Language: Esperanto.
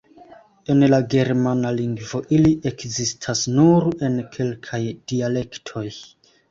En la Germana lingvo ili ekzistas nur en kelkaj dialektoj.